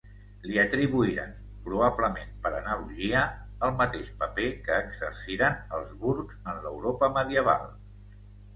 Li atribuïren, probablement per analogia, el mateix paper que exerciren els burgs en l'Europa medieval.